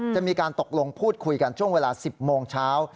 จะมีการตกลงพูดคุยกันช่วงเวลา๑๐โมงเช้า